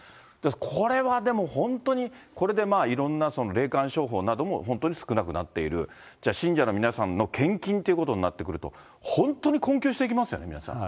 これはでも本当に、これでいろんな霊感商法なども本当に少なくなっている、じゃあ信者の皆さんの献金っていうことになってくると、本当に困窮していきますよ、皆さん。